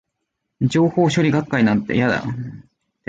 情報処理学会なんて、嫌だー